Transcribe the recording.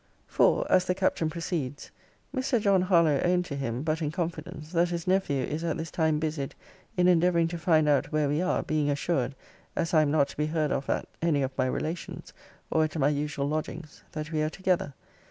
For, as the Captain proceeds, 'Mr. John Harlowe owned to him (but in confidence) that his nephew is at this time busied in endeavouring to find out where we are; being assured (as I am not to be heard of at any of my relations, or at my usual lodgings) that we are together.